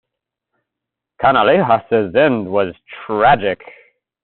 Canalejas's end was tragic.